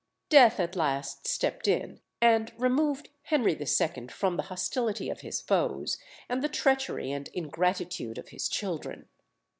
Death at last stepped in and removed Henry II. from the hostility of his foes, and the treachery and ingratitude of his children.